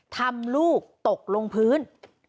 ทำลูกตกลงพื้น